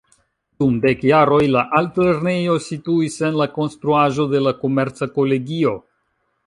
Dum dek jaroj la altlernejo situis en la konstruaĵo de la Komerca Kolegio.